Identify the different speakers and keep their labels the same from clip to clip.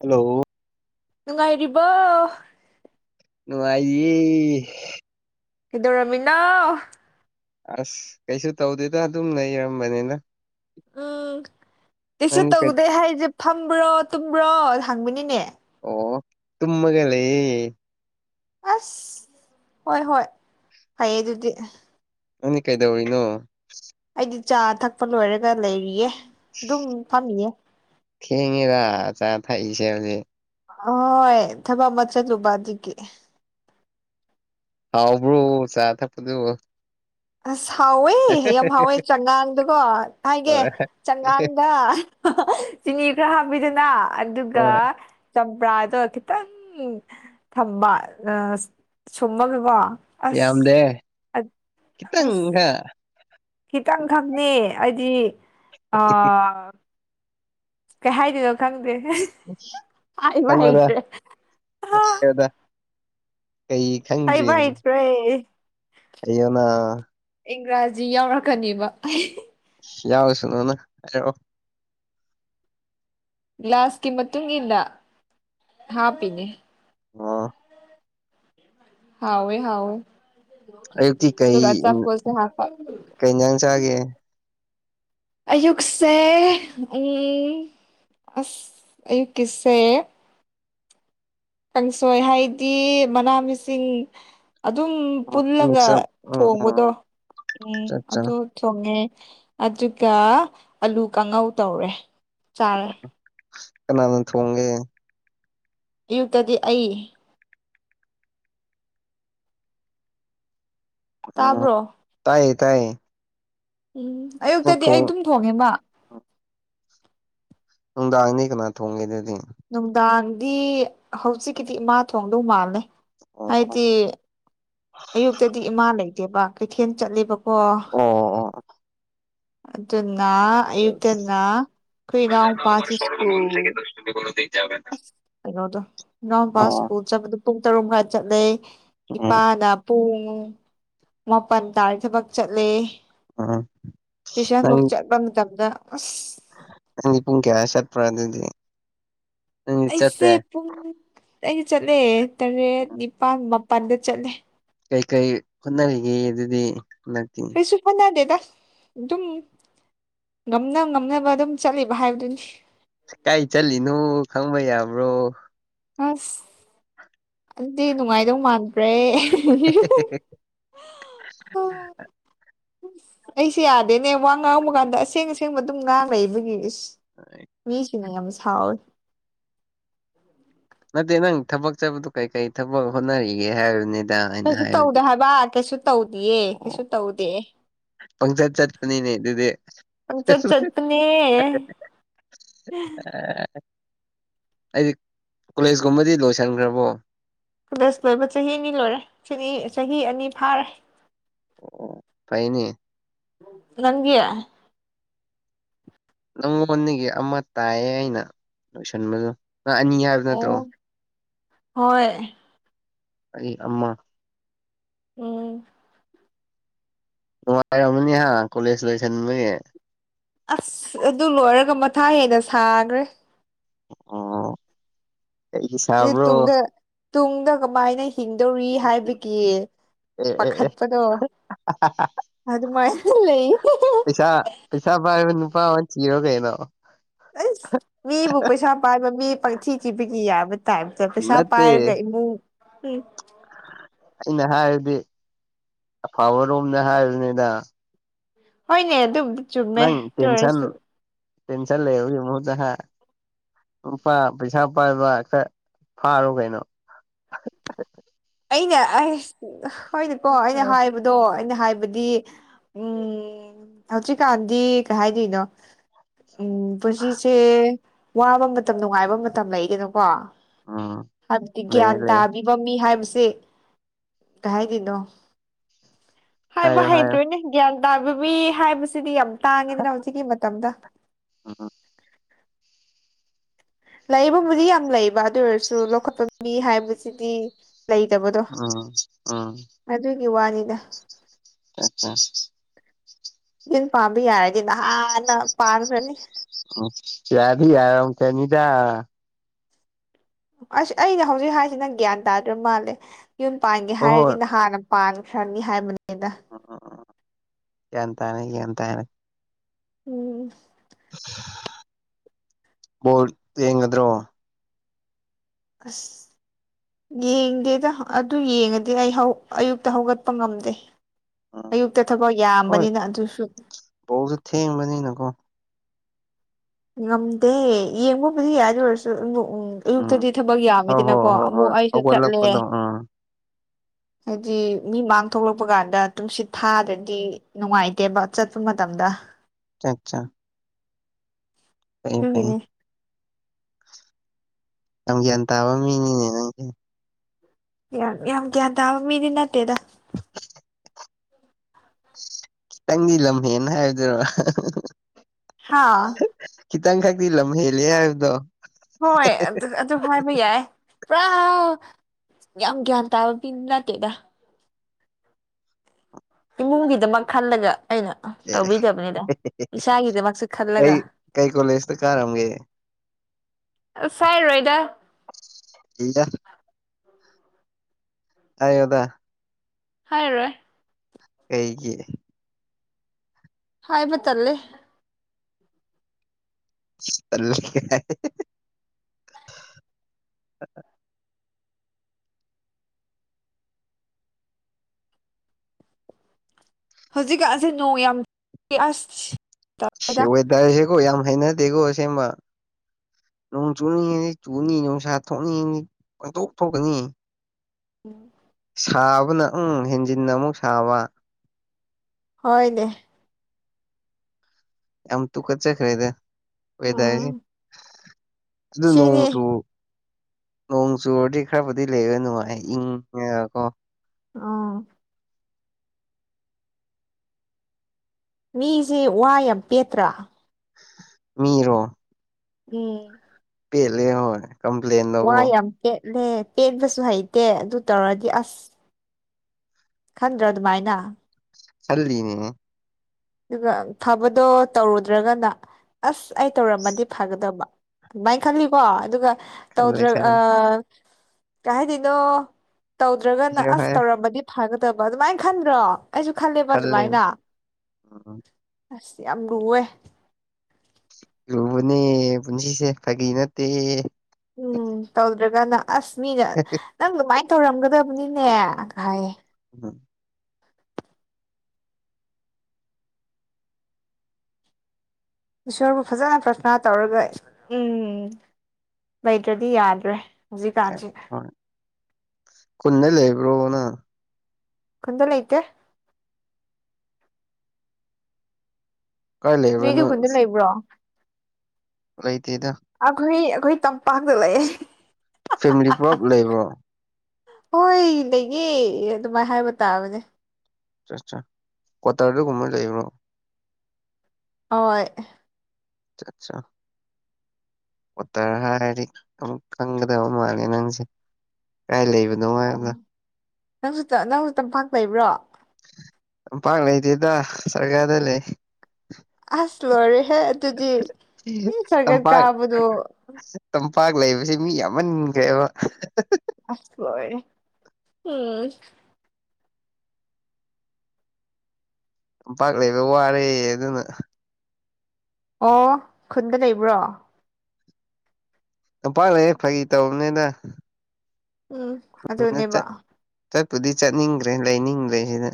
Speaker 1: Hello
Speaker 2: ꯅꯨꯡꯉꯥꯏꯔꯤꯕꯣ꯫
Speaker 1: ꯅꯨꯡꯉꯥꯏꯔꯤꯌꯦ꯫
Speaker 2: ꯀꯩꯗꯧꯔꯝꯃꯤꯅꯣ?
Speaker 1: ꯑꯁ ꯀꯩꯁꯨ ꯇꯧꯗꯦꯗ ꯑꯗꯨꯝ ꯂꯩꯔꯝꯕꯅꯦꯗ꯫
Speaker 2: ꯎꯝ ꯀꯩꯁꯨ
Speaker 1: ꯅꯪ ꯀꯩ
Speaker 2: ꯇꯧꯗꯦ ꯍꯥꯏꯁꯦ ꯐꯝꯕ꯭ꯔꯣ, ꯇꯨꯝꯕ꯭ꯔꯣ ꯍꯪꯕꯅꯤꯅꯦ꯫
Speaker 1: ꯑꯣ ꯇꯨꯝꯃꯒ ꯂꯩꯑꯦ꯫
Speaker 2: ꯑꯁ ꯍꯣꯏ ꯍꯣꯏ ꯐꯩꯌꯦ ꯑꯗꯨꯗꯤ꯫
Speaker 1: ꯅꯪꯗꯤ ꯀꯩꯗꯧꯔꯤꯅꯣ?
Speaker 2: ꯑꯩꯗꯤ ꯆꯥ ꯊꯛꯄ ꯂꯣꯏꯔꯒ ꯂꯩꯔꯤꯌꯦ ꯑꯗꯨꯝ ꯐꯝꯃꯤꯑꯦ꯫
Speaker 1: ꯊꯦꯡꯉꯦꯗ ꯑꯆꯥ ꯊꯛꯏꯁꯦ ꯍꯧꯖꯤꯛ꯫
Speaker 2: ꯑꯣꯏ ꯊꯕꯛ ꯑꯃ ꯆꯠꯂꯨꯕ ꯑꯗꯨꯒꯤ꯫
Speaker 1: ꯍꯥꯎꯕ꯭ꯔꯣ ꯆꯥ ꯊꯛ ꯄꯗꯨ꯫
Speaker 2: ꯑꯁ ꯍꯥꯎꯋꯦ ꯌꯥꯝ ꯍꯥꯎꯋꯦ ꯆꯉꯥꯡꯗꯨꯀꯣ ꯍꯥꯏꯒꯦ,
Speaker 1: ꯍꯣꯏ
Speaker 2: ꯆꯉꯥꯡꯗ ꯆꯤꯅꯤ ꯈꯔ ꯍꯥꯞꯄꯤꯗꯅ ꯑꯗꯨꯒ,
Speaker 1: ꯍꯣꯏ
Speaker 2: ꯆꯝꯄ꯭ꯔꯥꯗꯣ ꯈꯤꯇꯪ ꯊꯝꯕ ꯁꯨꯝꯃꯒꯀꯣ꯫ ꯑꯁ
Speaker 1: ꯌꯥꯝꯗꯦ,
Speaker 2: ꯑꯁ
Speaker 1: ꯈꯤꯇꯪꯒ꯫
Speaker 2: ꯈꯤꯇꯪ ꯈꯛꯅꯦ ꯍꯥꯏꯗꯤ ꯑꯥ, ꯀꯩ ꯍꯥꯏꯗꯣꯏꯅꯣ ꯈꯪꯗꯦ꯫ ꯍꯥꯏꯕ
Speaker 1: ꯈꯪꯉꯗ
Speaker 2: ꯍꯩꯇ꯭ꯔꯦ
Speaker 1: ꯌꯥꯗ ꯀꯩ [unintelligible]
Speaker 2: ꯍꯩꯕ ꯍꯩꯇ꯭ꯔꯦ꯫
Speaker 1: ꯑꯎꯅ [unintelligible]
Speaker 2: ꯏꯪꯒ꯭ꯔꯥꯖꯤ ꯌꯥꯎꯔꯛꯀꯅꯦꯕ꯫
Speaker 1: ꯌꯥꯎꯁꯨ ꯅꯅ ꯍꯥꯏꯔꯣ꯫
Speaker 2: ꯒ꯭ꯂꯥꯁꯀꯤ ꯃꯇꯨꯡ ꯏꯟꯅ ꯍꯥꯞꯄꯤꯅꯦ꯫
Speaker 1: ꯑꯣ
Speaker 2: ꯍꯥꯎꯋꯦ ꯍꯥꯎꯋꯦ꯫
Speaker 1: ꯑꯌꯨꯛꯇꯤ ꯀꯩ
Speaker 2: ꯑꯗꯨꯒꯥ ꯑꯆꯥꯄꯣꯠ ꯁꯦ ꯍꯞꯄꯥ꯫
Speaker 1: ꯀꯩ ꯏꯟꯖꯥꯡ ꯆꯥꯒꯦ
Speaker 2: ꯑꯌꯨꯛꯁꯦ ꯑꯝ, ꯑꯁ ꯑꯩꯌꯨꯛ ꯀꯁꯦ, ꯀꯥꯡꯁꯣꯏ ꯍꯥꯏꯗꯤ ꯃꯅꯥ ꯃꯁꯤꯡ꯫ ꯑꯗꯨꯝ ꯄꯨꯜꯂꯒ
Speaker 1: ꯃꯤꯛꯁ ꯑꯞ ꯎꯝ
Speaker 2: ꯊꯣꯡꯕꯗꯣ
Speaker 1: ꯎꯝ
Speaker 2: ꯎꯝ
Speaker 1: ꯆꯥ ꯆꯥ
Speaker 2: ꯑꯗꯨ, ꯊꯣꯡꯉꯦ ꯑꯗꯨꯒ ꯑꯂꯨ ꯀꯥꯡꯉꯧ ꯇꯧꯔꯦ ꯆꯥꯔꯦ꯫
Speaker 1: ꯀꯅꯥꯅꯥ ꯊꯣꯡ ꯒꯦ?
Speaker 2: ꯑꯌꯨꯛꯇꯗꯤ ꯑꯩ꯫
Speaker 1: ꯑꯣ
Speaker 2: ꯇꯥꯕ꯭ꯔꯣ?
Speaker 1: ꯇꯥꯏꯌꯦ ꯇꯥꯏꯌꯦ꯫
Speaker 2: ꯎꯝ
Speaker 1: ꯅꯪ
Speaker 2: ꯑꯌꯨꯛꯇꯗꯤ
Speaker 1: ꯊꯣꯡ
Speaker 2: ꯑꯩ ꯑꯗꯨꯝ ꯊꯣꯡꯉꯦꯕ꯫
Speaker 1: ꯅꯨꯡꯗꯥꯡꯅꯤ ꯀꯅꯥ ꯊꯣꯡꯒꯦ ꯑꯗꯨꯗꯤ
Speaker 2: ꯅꯨꯡꯗꯥꯡꯗꯤ ꯍꯧꯖꯤꯛꯀꯤꯗꯤ ꯏꯃꯥ ꯊꯣꯡꯗꯧ ꯃꯥꯜꯂꯦ꯫
Speaker 1: ꯑꯣ
Speaker 2: ꯍꯥꯏꯗꯤ ꯑꯌꯨꯛꯇꯗꯤ ꯏꯃꯥ ꯂꯩꯇꯦꯕ ꯀꯩꯊꯦꯜ ꯆꯠꯂꯦꯕꯀꯣ ꯑꯣ ꯑꯗꯨꯅ ꯑꯌꯨꯛꯇꯅ ꯑꯩꯈꯣꯏ ꯏꯅꯥꯎꯄꯁꯦ ꯄꯥꯁꯤꯁꯀꯨꯜ
Speaker 1: [unintelligible]
Speaker 2: ꯑꯁ ꯀꯩꯅꯣꯗꯣ ꯏꯅꯥꯎꯄꯥ
Speaker 1: ꯑꯣ
Speaker 2: ꯁꯀꯨꯜ ꯆꯠꯄꯗ ꯄꯨꯡ ꯇꯔꯨꯛ ꯃꯈꯥꯏ ꯆꯠꯂꯦ
Speaker 1: ꯎꯝ
Speaker 2: ꯏꯄꯥꯅ ꯄꯨꯡ ꯃꯥꯄꯜ ꯇꯥꯔꯤ ꯊꯕꯛ ꯆꯠꯂꯦ
Speaker 1: ꯎꯝ ꯅꯪ
Speaker 2: ꯇ꯭ꯨꯏꯁꯟꯃꯛ ꯆꯠꯄ ꯃꯇꯝꯗ ꯑꯁ
Speaker 1: ꯑꯗꯨꯗꯤ ꯄꯨꯡ ꯀꯌꯥ ꯆꯠꯄꯔ ꯑꯗꯨꯗꯤ ꯅꯪꯗꯤ ꯆꯠꯇꯦ
Speaker 2: ꯑꯩꯁꯦ ꯄꯨꯡ ꯑꯩ ꯆꯠꯂꯦ ꯇꯔꯦꯠ ꯅꯤꯄꯥꯜ ꯃꯥꯄꯜꯗ ꯆꯠꯂꯦ
Speaker 1: ꯀꯩꯀꯩ ꯍꯣꯠꯅꯔꯤꯒꯦ ꯑꯗꯨꯗꯤ ꯅꯠꯇꯦ
Speaker 2: ꯀꯩꯁꯨ ꯍꯣꯠꯅꯗꯦꯗ ꯑꯗꯨꯝ ꯉꯝꯅ ꯉꯝꯅꯕ ꯑꯗꯨꯝ ꯆꯠꯂꯤꯕ ꯍꯥꯏꯕꯗꯨꯅꯤ
Speaker 1: ꯀꯥꯏ ꯆꯠꯂꯤꯅꯣ ꯈꯪꯕ ꯌꯥꯕ꯭ꯔꯣ
Speaker 2: ꯑꯁ ꯑꯗꯨꯗꯤ ꯅꯨꯡꯉꯥꯏꯗꯧ ꯃꯥꯟꯗ꯭ꯔꯦ
Speaker 1: [unintelligible]
Speaker 2: ꯑꯩꯁꯨ ꯌꯥꯗꯦꯅꯦ ꯋꯥ ꯉꯥꯡꯕ ꯀꯥꯟꯗ ꯑꯁꯦꯡ ꯑꯁꯦꯡꯕ ꯑꯗꯨꯝ ꯉꯥꯡꯉꯏꯕꯒꯤ
Speaker 1: [inaudible]
Speaker 2: ꯃꯤꯁꯤꯡꯅ ꯌꯥꯝ ꯁꯥꯎꯔ
Speaker 1: ꯅꯠꯇꯦ ꯅꯪ ꯊꯕꯛ ꯆꯠꯄꯗꯨ ꯀꯩꯀꯩ ꯊꯕꯛ ꯍꯣꯠꯅꯔꯤꯒꯦ ꯍꯥꯏꯕꯅꯤ
Speaker 2: ꯀꯩꯁꯨ ꯇꯧꯗꯦ ꯍꯥꯏꯕ ꯀꯩꯁꯨ ꯇꯧꯗꯦꯌꯦ
Speaker 1: ꯑꯣ
Speaker 2: ꯀꯩꯁꯨ ꯇꯧꯗꯦ꯫
Speaker 1: ꯄꯪꯆꯠ ꯆꯠꯄꯅꯤꯅꯦ ꯑꯗꯨꯗꯤ
Speaker 2: ꯄꯪꯆꯠ ꯆꯠꯄꯅꯦ
Speaker 1: ꯑꯩꯗꯤ ꯀꯣꯂꯦꯖꯀꯨꯝꯕꯗꯤ ꯂꯣꯏꯁꯤꯟꯈ꯭ꯔꯕꯣ꯫
Speaker 2: ꯀꯣꯂꯦꯖ ꯂꯣꯏꯕ ꯆꯍꯤ ꯑꯅꯤ ꯂꯣꯏꯔꯦꯅꯤ ꯆꯍꯤ ꯑꯅꯤ ꯐꯥꯔꯦ
Speaker 1: ꯑꯣ ꯐꯩꯅꯦ
Speaker 2: ꯅꯪꯒꯤ ꯑ
Speaker 1: ꯅꯪꯉꯣꯟꯗꯒꯤ ꯑꯃ ꯇꯥꯏꯌꯦ ꯑꯩꯅ ꯂꯣꯏꯁꯟꯕꯗꯣ ꯑꯅꯤ ꯅꯠꯇ꯭ꯔꯣ
Speaker 2: ꯑꯣ ꯍꯣꯏ
Speaker 1: ꯑꯩ ꯑꯃ
Speaker 2: ꯎꯝ
Speaker 1: ꯅꯨꯡꯉꯥꯏꯔꯝꯃꯅꯤꯍ ꯀꯣꯂꯦꯖ ꯂꯣꯏꯁꯟꯕꯒꯤ
Speaker 2: ꯑꯁ ꯑꯗꯨ ꯂꯣꯏꯔꯒ ꯃꯊꯥ ꯍꯦꯟꯅ ꯁꯥꯈ꯭ꯔꯦ
Speaker 1: ꯍꯣ
Speaker 2: ꯇꯨꯡꯗ ꯇꯨꯡꯗ ꯀꯃꯥꯏꯅ ꯍꯤꯡꯗꯧꯔꯤ ꯍꯥꯏꯕꯒꯤ
Speaker 1: ꯑꯦ ꯑꯦ ꯑꯦ
Speaker 2: ꯄꯥꯈꯠꯄꯗꯣ
Speaker 1: [inaudible]
Speaker 2: ꯑꯗꯨꯃꯥꯏ ꯂꯩ
Speaker 1: ꯄꯩꯁꯥ ꯄꯩꯁꯥ ꯄꯥꯏꯕ ꯅꯨꯄꯥ ꯑꯃ ꯊꯤꯔꯣ ꯀꯔꯤꯅꯣ
Speaker 2: ꯑꯁ ꯃꯤꯕꯨ ꯄꯩꯁꯥ ꯄꯥꯏꯕ ꯃꯤ ꯄꯪꯊꯤꯊꯤꯕꯒꯤ ꯌꯥꯕ ꯇꯥꯏꯞꯇ ꯄꯩꯁꯥ
Speaker 1: ꯅꯠꯇꯦ
Speaker 2: ꯄꯥꯏꯔꯒ ꯏꯃꯨꯡ ꯎꯝ
Speaker 1: ꯑꯩꯅ ꯍꯥꯏꯔꯗꯤ ꯑꯐꯕꯔꯣꯝꯅ ꯍꯥꯏꯕꯅꯤꯗ
Speaker 2: ꯍꯣꯏꯅꯦ ꯑꯗꯨꯝꯗꯤ ꯆꯨꯝꯃꯦ
Speaker 1: ꯅꯪ ꯇꯦꯟꯁꯟ
Speaker 2: ꯂꯣꯏꯔꯁꯨ
Speaker 1: ꯇꯦꯟꯁꯟ ꯂꯩꯕꯩ ꯃꯍꯨꯠꯇ ꯅꯤꯄꯥ ꯄꯩꯁꯥ ꯄꯥꯏꯕ ꯈꯔ ꯐꯥꯔꯣ ꯀꯩꯅꯣ
Speaker 2: ꯑꯩꯅ ꯍꯣꯏꯅꯦꯀꯣ ꯑꯩꯅ ꯍꯥꯏ ꯑꯥꯗꯣ ꯑꯩꯅ ꯍꯥꯏꯕꯗꯤ ꯎꯝ ꯍꯧꯖꯤꯛꯀꯥꯟꯗꯤ ꯀꯩ ꯍꯥꯏꯗꯣꯏꯅꯣ ꯎꯝ ꯄꯨꯟꯁꯤꯁꯦ ꯋꯥꯕ ꯃꯇꯝ ꯅꯨꯡꯉꯥꯏꯕ ꯃꯇꯝ ꯂꯩꯗꯅꯀꯣ꯫
Speaker 1: ꯎꯝ ꯂꯩꯌꯦ
Speaker 2: ꯒꯋꯥꯟ
Speaker 1: ꯂꯩꯌꯦ
Speaker 2: ꯇꯦ ꯀꯩꯥꯏꯗꯣꯏꯅꯣ ꯍꯥꯏꯕ
Speaker 1: ꯍꯥꯏꯌꯣ ꯍꯥꯏꯌꯣ
Speaker 2: ꯍꯩꯇ꯭ꯔꯦꯅꯦ꯫ ꯒ꯭ꯌꯥꯟ ꯇꯥꯕ ꯃꯤ ꯍꯥꯏꯕꯁꯤꯗꯤ ꯌꯥꯝ ꯇꯥꯡꯉꯤꯗꯅ ꯍꯧꯖꯤꯛꯀꯤ ꯃꯇꯝꯗ
Speaker 1: [unintelligible]
Speaker 2: ꯂꯩꯕꯕꯨꯗꯤ ꯌꯥꯝ ꯂꯩꯕ ꯑꯗꯨ ꯑꯣꯏꯔꯁꯨ ꯂꯧꯈꯠꯄ ꯃꯤ ꯍꯥꯏꯕꯁꯤꯗꯤ ꯂꯩꯇꯕꯗꯣ
Speaker 1: ꯎꯝ ꯎꯝ
Speaker 2: ꯑꯗꯨꯒꯤ ꯋꯥꯅꯤꯗ
Speaker 1: [unintelligible]
Speaker 2: ꯌꯨꯝ ꯄꯥꯟꯕ ꯌꯥꯔꯗꯤ ꯅꯍꯥꯟꯅ ꯄꯥꯟꯈ꯭ꯔꯅꯤ
Speaker 1: ꯌꯥꯗꯤ ꯌꯥꯔꯝꯒꯅꯤꯗ
Speaker 2: ꯑꯁ ꯑꯩꯅ ꯍꯧꯖꯤꯛ ꯍꯥꯏꯔꯤꯁꯦ ꯅꯪ ꯒ꯭ꯌꯥꯟ ꯇꯥꯗ꯭ꯔ ꯃꯥꯜꯂꯦ ꯌꯨꯝ ꯄꯥꯟꯒꯦ
Speaker 1: ꯍꯣꯏ
Speaker 2: ꯍꯥꯏꯔꯗꯤ
Speaker 1: ꯍꯣꯏ
Speaker 2: ꯅꯍꯥꯟꯅ ꯄꯥꯟꯈ꯭ꯔꯅꯤ ꯍꯥꯏꯕꯅꯤꯗ
Speaker 1: ꯒ꯭ꯌꯥꯟ ꯇꯔꯦ ꯒ꯭ꯌꯥꯟ ꯇꯥꯔꯦ
Speaker 2: ꯎꯝ꯫
Speaker 1: ꯕꯣꯜ ꯌꯦꯡꯒꯗ꯭ꯔꯣ
Speaker 2: ꯑꯁ ꯌꯦꯡꯗꯦꯗ ꯑꯗꯨ ꯌꯦꯡꯉꯗꯤ ꯑꯩ ꯑꯌꯨꯛꯇ ꯍꯧꯒꯠꯄ ꯉꯝꯗꯦ
Speaker 1: ꯎꯝ
Speaker 2: ꯑꯌꯨꯛꯇ ꯊꯕꯛ ꯌꯥꯝꯕꯅꯤꯅ ꯑꯗꯨꯁꯨ
Speaker 1: ꯁꯨ ꯊꯦꯡꯕꯅꯤ ꯅꯀꯣ
Speaker 2: ꯉꯝꯗꯦ ꯌꯦꯡꯕꯕꯨꯗꯤ ꯌꯥꯢ ꯑꯗꯨ ꯑꯣꯏꯔꯁꯨ
Speaker 1: ꯎꯝ
Speaker 2: ꯑꯌꯨꯛꯇꯗꯤ ꯊꯕꯛ
Speaker 1: ꯍꯣꯏ ꯍꯣꯏ
Speaker 2: ꯌꯥꯝꯃꯤꯗꯅꯀꯣ
Speaker 1: ꯍꯣꯏ ꯍꯣꯏ
Speaker 2: ꯑꯃꯨꯛ ꯑꯩꯁꯨ ꯆꯠꯂꯦ
Speaker 1: ꯍꯧꯒꯠꯂꯛꯄꯗꯣ [unintelligible]
Speaker 2: ꯍꯥꯏꯗꯤ ꯃꯤ ꯃꯥꯡ ꯊꯣꯛꯂꯛꯄ ꯀꯥꯟꯗ ꯇꯨꯝꯁꯤꯠ ꯐꯗꯔ꯭ꯗꯤ ꯅꯨꯡꯉꯥꯏꯇꯦ ꯕ ꯆꯠꯄ ꯃꯇꯝꯗ
Speaker 1: ꯆꯥ ꯆꯥ ꯈꯪꯉꯦ ꯈꯪꯉꯦ
Speaker 2: ꯑꯗꯨꯒꯤꯅꯦ
Speaker 1: ꯌꯥꯝ ꯒ꯭ꯌꯥꯟ ꯇꯥꯕ ꯃꯤꯅꯤꯅꯦꯅ
Speaker 2: ꯌꯥꯝ ꯌꯥꯝ ꯒ꯭ꯌꯥꯟ ꯇꯥꯕ ꯃꯤꯗꯤ ꯅꯠꯇꯦꯗ꯫
Speaker 1: ꯈꯤꯇꯪꯗꯤ ꯂꯝꯍꯦꯟ ꯍꯥꯏꯗꯨꯔ
Speaker 2: ꯍꯥꯥ
Speaker 1: ꯈꯤꯇꯪ ꯈꯛꯇꯤ ꯂꯝ ꯍꯦꯜꯂꯦ ꯍꯥꯏꯕꯗꯣ
Speaker 2: ꯍꯣꯏ ꯑꯗꯨ ꯑꯗꯨ ꯍꯥꯏꯕ ꯌꯥꯏ ꯄꯨꯔꯥ ꯌꯥꯝ ꯒ꯭ꯌꯥꯟ ꯇꯥꯕ ꯃꯤꯗꯤ ꯅꯠꯇꯦꯗ ꯏꯃꯨꯡꯒꯤꯗꯃꯛ ꯈꯜꯂꯒ ꯑꯩꯅ ꯇꯧꯕꯤꯗꯕꯅꯤꯗ ꯏꯁꯥꯒꯤꯗꯃꯛꯁꯨ
Speaker 1: ꯀꯩ
Speaker 2: ꯈꯜꯂꯒ
Speaker 1: ꯀꯩ ꯀꯣꯂꯦꯖꯇ ꯀꯥꯔꯝꯒꯦ [unintelligible]
Speaker 2: ꯍꯥꯏꯔꯣꯏꯗ
Speaker 1: ꯊꯗ ꯍꯥꯏꯌꯣꯗ
Speaker 2: ꯍꯥꯏꯔꯣꯏ꯫
Speaker 1: ꯀꯩꯒꯤ
Speaker 2: ꯍꯥꯏꯕ ꯇꯜꯂꯦ
Speaker 1: ꯏꯁ ꯇꯜꯂꯦ ꯀꯥꯌꯦ
Speaker 2: ꯍꯧꯖꯤꯛ ꯀꯥꯟꯁꯦ ꯅꯣꯡ ꯌꯥꯝ ꯑꯁ
Speaker 1: ꯁꯤ
Speaker 2: ꯇꯜꯂꯦꯗ
Speaker 1: ꯑꯣꯏꯋꯦꯗꯔꯁꯦꯒꯣ ꯌꯥꯝ ꯍꯅꯗꯦꯀꯣ ꯑꯁꯦꯡꯕ ꯅꯣꯡ ꯆꯨꯅꯤꯡꯉꯤꯗꯤ ꯆꯨꯅꯤ ꯅꯨꯡꯁꯥ ꯊꯣꯛꯅꯤꯡꯉꯤꯗꯤ ꯄꯪꯊꯣꯛ ꯊꯣꯛꯀꯅꯤ
Speaker 2: ꯎꯝ
Speaker 1: ꯁꯥꯕꯅ ꯎꯝ ꯍꯦꯟꯖꯤꯟꯅ ꯑꯃꯨꯛ ꯁꯥꯕ
Speaker 2: ꯍꯣꯏꯅꯦ꯫
Speaker 1: ꯌꯥꯝ ꯇꯨꯀꯠꯆꯈ꯭ꯔꯦꯗ ꯋꯦꯗꯔꯖꯦ
Speaker 2: ꯎꯝ
Speaker 1: ꯑꯗꯨ ꯅꯣꯡ
Speaker 2: ꯁꯤꯅꯤ
Speaker 1: ꯆꯨ ꯅꯣꯡ ꯆꯨꯔꯗꯤ ꯈꯔꯕꯨꯗꯤ ꯂꯩꯕ ꯅꯨꯡꯉꯥꯏ ꯏꯪ ꯀꯣ
Speaker 2: ꯑꯥ ꯃꯤꯁꯦ ꯋꯥ ꯌꯥꯝ ꯄꯦꯠꯇ꯭ꯔꯥ
Speaker 1: ꯃꯤꯔꯣ
Speaker 2: ꯎꯝ
Speaker 1: ꯄꯦꯠꯂꯦ ꯍꯣꯏ ꯀꯝꯄ꯭ꯂꯦꯟ
Speaker 2: ꯋꯥ
Speaker 1: ꯂꯧꯋꯣ
Speaker 2: ꯌꯥꯝ ꯄꯦꯠꯂꯦ ꯄꯦꯠꯄꯁꯨ ꯍꯩꯇꯦ ꯑꯗꯨ ꯇꯧꯔꯗꯤ ꯑꯁ ꯈꯟꯗ꯭ꯔ ꯑꯗꯨꯃꯥꯏꯅ
Speaker 1: ꯆꯜꯂꯤꯅꯦ
Speaker 2: ꯑꯗꯨꯒ ꯐꯕꯗꯣ ꯇꯧꯔꯨꯗ꯭ꯔꯒꯅ ꯑꯁ ꯑꯩ ꯇꯧꯔꯝꯃꯗꯤ ꯐꯒꯗꯕ ꯑꯗꯨꯃꯥꯏꯅ ꯈꯜꯂꯤꯕꯣ ꯑꯗꯨꯒ
Speaker 1: ꯈꯜꯂꯦ
Speaker 2: ꯇꯧꯗ꯭ꯔ ꯑ
Speaker 1: ꯈꯜꯂꯦ
Speaker 2: ꯀꯩ ꯍꯥꯏꯗꯣꯏꯅꯣ ꯇꯧꯗ꯭ꯔꯒꯅ
Speaker 1: ꯍꯥꯏꯌꯣ
Speaker 2: ꯑꯁ
Speaker 1: ꯍꯥꯏꯌꯣ
Speaker 2: ꯇꯧꯔꯝꯕꯗꯤ ꯐꯒꯗꯕ ꯑꯗꯨꯃꯥꯏꯅ ꯈꯟꯗ꯭ꯔꯣ ꯑꯩꯁꯨ ꯈꯜꯂꯦꯕ
Speaker 1: ꯈꯜꯂꯦ
Speaker 2: ꯑꯗꯨꯃꯥꯏꯅ
Speaker 1: ꯎꯝ
Speaker 2: ꯑꯁ ꯌꯥꯝ ꯂꯨꯋꯦ
Speaker 1: ꯂꯨꯕꯅꯦ ꯄꯨꯟꯁꯤꯁꯦ ꯐꯥꯒꯤ ꯅꯠꯇꯦ
Speaker 2: ꯎꯝ ꯇꯧꯗ꯭ꯔꯒꯅ ꯑꯁ ꯃꯤꯅ ꯅꯪ ꯑꯗꯨꯃꯥꯏꯅ ꯇꯧꯔꯝꯒꯗꯕꯅꯤꯅꯦ ꯀꯥ ꯍꯥꯏꯌꯦ
Speaker 1: ꯎꯝ
Speaker 2: ꯏꯁꯣꯔꯕꯨ ꯐꯖꯅ ꯄ꯭ꯔꯊꯅꯥ ꯇꯧꯔꯒ ꯎꯝ ꯂꯩꯇ꯭ꯔꯗꯤ ꯌꯥꯗ꯭ꯔꯦ
Speaker 1: ꯑꯦ
Speaker 2: ꯍꯧꯖꯤꯛꯀꯥꯟꯁꯦ
Speaker 1: ꯍꯣꯏ ꯈꯨꯟꯗ ꯂꯩꯕ꯭ꯔꯣ ꯅꯪ
Speaker 2: ꯈꯨꯟꯗ ꯂꯩꯇꯦ
Speaker 1: ꯀꯥꯏ ꯂꯩꯕ꯭ꯔꯣ
Speaker 2: ꯅꯣꯏꯗꯤ
Speaker 1: ꯅꯣ
Speaker 2: ꯈꯨꯟꯗ ꯂꯩꯕ꯭ꯔꯣ
Speaker 1: ꯂꯩꯇꯦꯗ
Speaker 2: ꯑꯩꯈꯣꯏ ꯑꯩꯈꯣꯏ ꯇꯝꯄꯥꯛꯇ ꯂꯩꯌꯦ
Speaker 1: ꯐꯦꯃꯦꯂꯤ ꯄ꯭ꯔꯞ ꯂꯩꯕꯔꯣ
Speaker 2: ꯍꯣꯏ ꯂꯩꯌꯦ ꯑꯗꯨꯃꯥꯏ ꯍꯥꯏꯕ ꯇꯥꯕꯅꯦ
Speaker 1: ꯆꯥ ꯆꯥ ꯀꯋꯥꯇꯔꯗ ꯒꯨꯝꯕ ꯂꯩꯕ꯭ꯔꯣ
Speaker 2: ꯍꯣꯏ
Speaker 1: ꯆꯥ ꯆꯥ ꯀꯋꯥꯇꯔ ꯍꯥꯏꯔꯗꯤ ꯑꯃꯨꯛ ꯈꯪꯒꯗꯕ ꯃꯥꯜꯂꯦ ꯅꯪꯁꯦ ꯀꯥꯏ ꯂꯩꯕꯅꯣ
Speaker 2: ꯑꯣ
Speaker 1: ꯍꯥꯏꯔꯒ
Speaker 2: ꯅꯪꯁꯨ ꯅꯪꯁꯨ ꯇꯝꯄꯥꯛ ꯂꯩꯕ꯭ꯔꯣ
Speaker 1: ꯇꯝꯄꯥꯛ ꯂꯩꯇꯦꯗ ꯁꯔꯒꯗ ꯂꯩ
Speaker 2: ꯑꯁ ꯂꯣꯏꯔꯦꯍꯦ ꯑꯗꯨꯗꯤ ꯁꯔꯒ
Speaker 1: ꯇꯝꯄꯥꯛ
Speaker 2: ꯀꯥꯕꯗꯣ
Speaker 1: ꯇꯝꯄꯥꯛ ꯂꯩꯕꯁꯦ ꯃꯤ ꯌꯥꯝꯃꯟꯒ꯭ꯔꯦꯕ
Speaker 2: ꯑꯁ ꯂꯣꯏꯔꯦ ꯎꯝ
Speaker 1: ꯇꯝꯄꯥꯛ ꯂꯩꯕ ꯋꯥꯔꯦ ꯑꯗꯨꯅ
Speaker 2: ꯑꯣ ꯈꯨꯟꯗ ꯂꯩꯕ꯭ꯔꯣ
Speaker 1: ꯇꯝꯄꯥꯛ ꯂꯩꯌꯦ ꯐꯥꯒꯤ ꯇꯧꯕꯅꯤꯗ
Speaker 2: ꯎꯝ
Speaker 1: ꯍꯡꯉꯥ ꯆꯠ
Speaker 2: ꯑꯗꯨꯅꯦꯕ
Speaker 1: ꯆꯠꯄꯨꯗꯤ ꯆꯠꯅꯤꯡꯗ꯭ꯔꯦ ꯂꯩꯅꯤꯡꯂꯦ ꯁꯤꯗ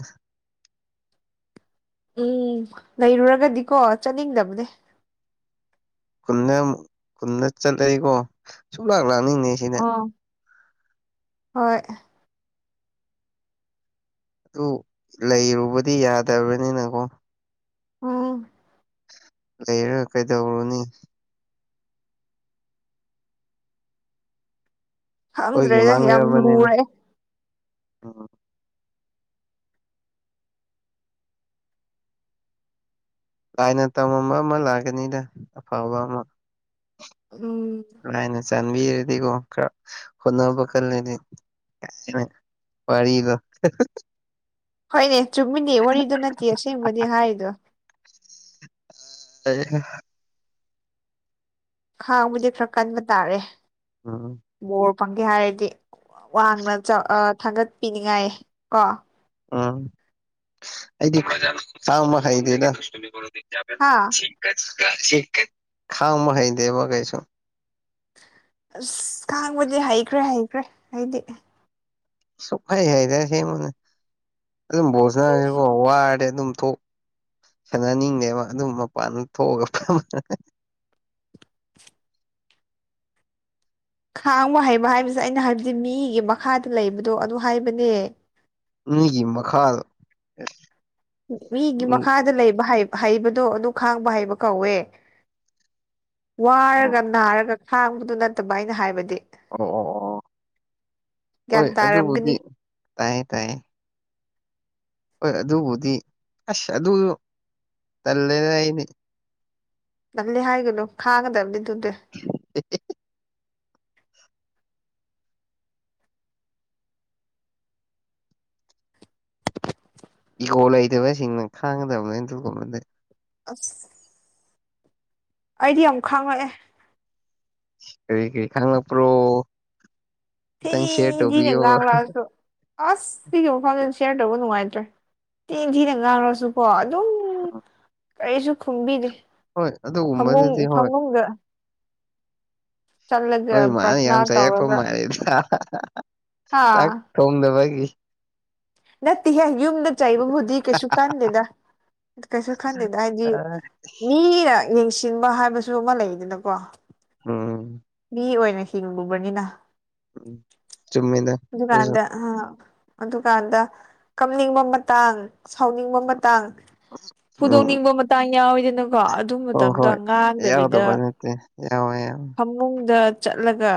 Speaker 2: ꯂꯩꯔꯨꯔꯒꯗꯤꯀꯣ ꯆꯠꯅꯤꯡꯗꯕꯅꯦ
Speaker 1: ꯈꯨꯟꯗ ꯑꯃꯨꯛ ꯈꯨꯟꯗ ꯆꯠꯂꯏꯀꯣ ꯁꯨꯡ ꯂꯥꯛꯂꯥꯛꯅꯤꯡꯗꯦ
Speaker 2: ꯑꯣ ꯍꯣꯏ
Speaker 1: ꯑꯗꯨ ꯂꯩꯔꯨꯕꯗꯤ ꯌꯥꯗꯕꯅꯤꯅꯀꯣ
Speaker 2: ꯎꯝ
Speaker 1: ꯂꯩꯔ ꯀꯩꯗꯧꯔꯨꯅꯤ ꯑꯩꯈꯣꯏꯒꯤ
Speaker 2: ꯈꯪꯗ꯭ꯔꯦꯗ ꯌꯥꯝ
Speaker 1: ꯃꯥꯡꯖꯕꯅꯤꯅ
Speaker 2: ꯂꯨꯔꯦ
Speaker 1: ꯎꯝ ꯂꯥꯏꯅ ꯇꯝꯃꯝꯕ ꯑꯃ ꯂꯥꯛꯀꯅꯤꯗ ꯑꯐꯕ ꯑꯃ
Speaker 2: ꯎꯝ
Speaker 1: ꯥꯂꯥꯏꯅ ꯆꯥꯟꯕꯤꯔꯗꯤꯀꯣ ꯈꯔ ꯍꯣꯠꯅꯕ ꯀꯜꯂꯗꯤ [unintelligible] ꯋꯥꯔꯤꯗꯣ
Speaker 2: ꯍꯣꯏꯅꯦ ꯆꯨꯝꯃꯤꯅꯦ ꯋꯥꯔꯤꯗꯨ ꯅꯠꯇꯦ ꯑꯁꯦꯡꯕꯅꯤ ꯍꯥꯏꯔꯤꯗꯣ
Speaker 1: [unintelligible]
Speaker 2: ꯈꯥꯡꯕꯗꯤ ꯈꯔ ꯀꯟꯕ ꯇꯥꯔꯦ
Speaker 1: ꯎꯝ
Speaker 2: ꯕꯣꯔ ꯐꯪꯒꯦ ꯍꯥꯏꯔꯗꯤ ꯋꯥꯡꯅ ꯆ ꯊꯥꯒꯠꯄꯤꯅꯤꯡꯉꯥꯏ ꯀꯣ
Speaker 1: ꯎꯝ ꯑꯩꯗꯤ [unintelligible] ꯈꯥꯡꯕ ꯍꯩꯇꯦꯗ
Speaker 2: ꯍꯥ
Speaker 1: [unintelligible] ꯈꯥꯡꯕ ꯍꯩꯇꯦꯕ ꯀꯩꯁꯨ꯫
Speaker 2: ꯑꯁ ꯈꯥꯡꯕꯗꯤ ꯍꯩꯈ꯭ꯔꯦ ꯍꯩꯈ꯭ꯔꯦ ꯑꯩꯗꯤ꯫
Speaker 1: ꯁꯨꯛꯍꯩ ꯍꯩꯔꯣꯏ ꯑꯁꯦꯡꯡꯕꯅꯦ ꯑꯗꯨꯝ [unintelligible] ꯋꯥꯔꯗꯤ ꯑꯗꯨꯝ ꯊꯣꯛ ꯁꯥꯟꯅꯅꯤꯡꯗꯦꯕ ꯑꯗꯨꯝ ꯃꯄꯥꯟꯗ ꯊꯣꯛꯑꯒ ꯐꯝꯃ
Speaker 2: ꯈꯥꯡꯕ ꯍꯩꯕ ꯍꯥꯏꯕꯁꯦ ꯑꯩꯅ ꯍꯥꯏꯕꯗꯤ ꯃꯤꯒꯤ ꯃꯈꯥꯗ ꯂꯩꯕꯗꯣ ꯑꯗꯨ ꯍꯥꯏꯕꯅꯦ꯫
Speaker 1: ꯃꯤꯒꯤ ꯃꯈꯥ꯫
Speaker 2: ꯃꯤꯒꯤ ꯃꯈꯥꯗ ꯂꯩꯕ ꯍꯩ ꯍꯩꯕꯗꯨ ꯑꯗꯨ ꯈꯥꯡꯕ ꯍꯩꯕ ꯀꯧꯋꯦ꯫
Speaker 1: ꯑꯣ
Speaker 2: ꯋꯥꯔꯒ ꯅꯥꯔꯒ ꯈꯥꯡꯕꯗꯨ ꯅꯠꯇꯕ ꯑꯩꯅ ꯍꯥꯏꯕꯗꯤ꯫
Speaker 1: ꯑꯣ ꯑꯣ ꯑꯣ
Speaker 2: ꯒ꯭ꯌꯥꯟ
Speaker 1: ꯍꯣꯏ ꯑꯗꯨꯕꯨꯗꯤ
Speaker 2: ꯇꯥꯔꯝꯒꯅꯤ
Speaker 1: ꯇꯥꯏꯌꯦ ꯇꯥꯏꯌꯦ꯫ ꯍꯣꯏ ꯑꯗꯨꯕꯨꯗꯤ ꯑꯁ ꯑꯗꯨꯝ ꯇꯜꯂꯦꯅ ꯑꯩꯗꯤ꯫
Speaker 2: ꯇꯜꯂꯤ ꯍꯥꯏꯒꯅꯨ ꯈꯥꯒꯗꯕꯅꯤꯑꯗꯨꯗꯤ꯫
Speaker 1: [unintelligible] ꯏꯒꯣ ꯂꯩꯇꯕꯁꯤꯡꯅ ꯈꯥꯡꯒꯗꯕꯅꯤ ꯑꯗꯨꯒꯨꯝꯕꯗꯤ꯫
Speaker 2: ꯑꯁ꯫ ꯑꯩꯗꯤ ꯌꯥꯝ ꯈꯥꯡꯉꯛꯑꯦ꯫
Speaker 1: ꯀꯔꯤ ꯀꯔꯤ ꯈꯪꯂꯛꯄꯔꯣ
Speaker 2: ꯊꯤ
Speaker 1: ꯈꯤꯇꯪ ꯁꯤꯌꯥꯔ
Speaker 2: ꯊꯤꯅ
Speaker 1: ꯇꯣꯕꯤꯌꯣ꯫
Speaker 2: ꯉꯥꯡꯂꯛꯑꯁꯨ ꯑꯁ ꯁꯤꯒꯤ ꯋꯥꯐꯝ ꯁꯦꯌꯔ ꯇꯧꯕ ꯅꯨꯡꯉꯥꯏꯇ꯭ꯔꯦ ꯊꯤ ꯊꯤꯅ ꯉꯥꯡꯉꯁꯨꯀꯣ ꯑꯗꯨꯝ
Speaker 1: [unintelligible]
Speaker 2: ꯀꯩꯁꯨ ꯈꯨꯝꯕꯤꯗꯦ
Speaker 1: ꯍꯣꯏ
Speaker 2: ꯐꯃꯨꯡ
Speaker 1: ꯑꯗꯨꯒꯨꯝꯕꯗꯨꯗꯤ ꯍꯣꯏ
Speaker 2: ꯐꯃꯨꯡꯗ꯫ ꯆꯠꯂꯒ
Speaker 1: ꯅꯣꯏ ꯏꯃꯥꯅ
Speaker 2: ꯄ꯭ꯔꯊꯅꯥ
Speaker 1: ꯌꯥꯝ ꯆꯩꯔꯛꯄ
Speaker 2: ꯇꯧꯔꯒ
Speaker 1: ꯃꯥꯟꯂꯤꯗ
Speaker 2: ꯑꯥ
Speaker 1: ꯆꯥꯛ ꯊꯣꯡꯗꯕꯒꯤ꯫
Speaker 2: ꯅꯠꯇꯦꯍꯦ ꯌꯨꯝꯗ ꯆꯩꯕꯕꯨꯗꯤ ꯀꯩꯁꯨ ꯀꯥꯟꯗꯦꯗ꯫ ꯀꯩꯁꯨ ꯈꯟꯗꯦꯗ ꯍꯥꯏꯗꯤ ꯃꯤꯅ ꯌꯦꯡꯁꯤꯟꯕ ꯍꯥꯏꯕꯁꯨ ꯑꯃ ꯂꯩꯗꯅꯀꯣ꯫
Speaker 1: ꯍꯝ
Speaker 2: ꯃꯤ ꯑꯣꯏꯅ ꯍꯤꯡꯂꯨꯕꯅꯤꯅ꯫
Speaker 1: ꯆꯨꯝꯃꯦꯗ ꯑꯗꯨꯁꯨ
Speaker 2: ꯑꯗꯨꯀꯥꯟꯗ ꯑ ꯑꯗꯨꯀꯥꯟꯗ ꯀꯝꯅꯤꯡꯕ ꯃꯇꯥꯡ ꯁꯥꯎꯅꯤꯡꯕ ꯃꯇꯥꯡ
Speaker 1: ꯎꯝ
Speaker 2: ꯐꯨꯗꯣꯛꯅꯤꯡꯕ ꯃꯇꯥꯡ ꯌꯥꯎꯋꯤꯗꯅꯀꯣ꯫ ꯑꯗꯨ ꯃꯇꯝꯗ ꯉꯥꯡꯗꯕꯤꯗ꯫
Speaker 1: ꯌꯥꯉ ꯌꯥ
Speaker 2: ꯐꯃꯨꯡꯗ ꯆꯠꯂꯒ꯫